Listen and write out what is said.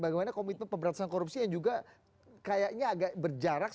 bagaimana komitmen pemberantasan korupsi yang juga kayaknya agak berjarak